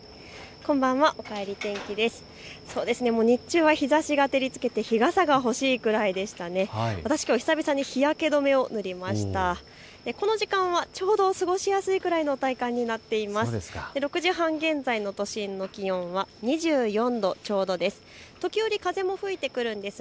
この時間はちょうど過ごしやすいくらいの体感になっています。